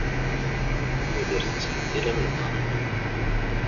Tudert tettbeddil am lberq.